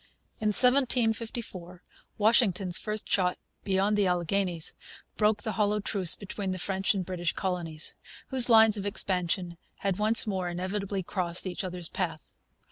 In 1754 Washington's first shot beyond the Alleghanies broke the hollow truce between the French and British colonies, whose lines of expansion had once more inevitably crossed each other's path.